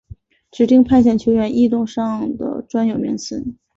指定派遣球员异动上的专有名词。